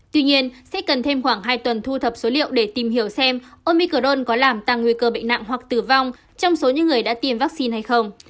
tuy nhiên sẽ cần thêm khoảng hai tuần thu thập số liệu để tìm hiểu xem omicrone có làm tăng nguy cơ bệnh nặng hoặc tử vong trong số những người đã tiêm vaccine hay không